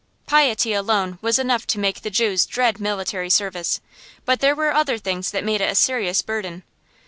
Piety alone was enough to make the Jews dread military service, but there were other things that made it a serious burden.